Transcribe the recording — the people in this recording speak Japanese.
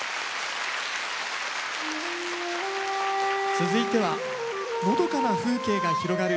続いてはのどかな風景が広がる